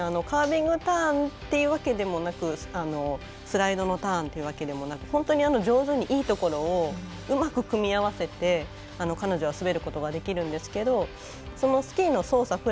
カービングターンというわけでもなくスライドのターンっていうわけでもなく本当に上手にいいところをうまく組み合わせて彼女は滑ることができるんですけどそのスキーの操作